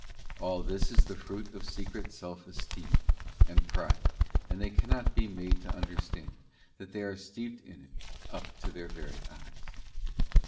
All this is the fruit of secret self esteem and pride, and they cannot be made to understand that they are steeped in it up to their very eyes.